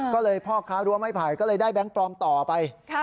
ก็เลยพ่อค้ารั้วไม้ไผ่ก็เลยได้แบงค์ปลอมต่อไป